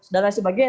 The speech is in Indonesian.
dan lain sebagainya